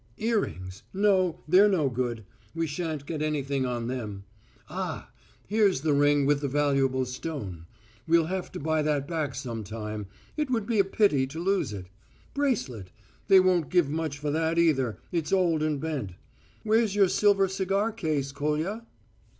"Earrings.... No, they're no good. We shan't get anything on them. Ah, here's this ring with the valuable stone. We'll have to buy that back some time. It would be a pity to lose it. Bracelet ... they won't give much for that either, it's old and bent.... Where's your silver cigar case, Kolya?"